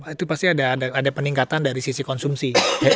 itu pasti ada peningkatan dari sisi konsumsi